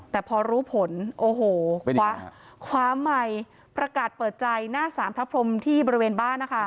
แต่พอรู้ผลโอ้โหคว้าคว้าไมค์ประกาศเปิดใจหน้าสารพระพรมที่บริเวณบ้านนะคะ